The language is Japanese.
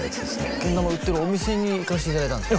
けん玉売ってるお店に行かせていただいたんですよ